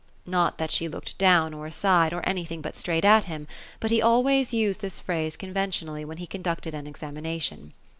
'' Not that she looked down, or aside, or anj thing but straight at him ; but he always used this phrase conventionally, when he conducted an examination.